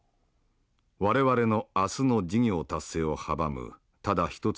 我々の明日の事業達成を阻むただ一つの障害